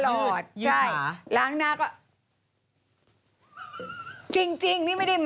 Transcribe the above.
คือแปลงฟันใช่ยะเราก็จะแปลงอย่างนี้ใช่ไหม